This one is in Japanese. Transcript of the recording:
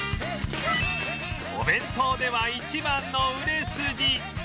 お弁当では一番の売れ筋！